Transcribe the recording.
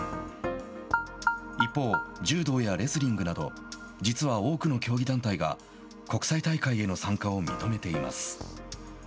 一方、柔道やレスリングなど実は多くの競技団体が国際大会への参加を認めています。